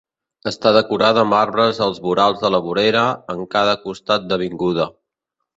Està decorada amb arbres als vorals de la vorera en cada costat d'avinguda.